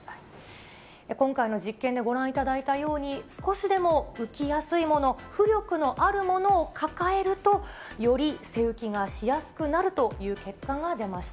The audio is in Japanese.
今回の実験でご覧いただいたように、少しでも浮きやすいもの、浮力のあるものを抱えると、より背浮きがしやすくなるという結果が出ました。